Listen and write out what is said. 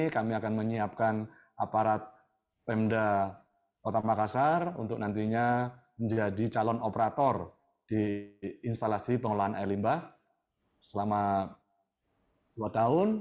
kami akan menyiapkan aparat pemda kota makassar untuk nantinya menjadi calon operator di instalasi pengolahan air limbah selama dua tahun